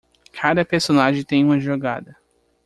Cada personagem tem uma jogada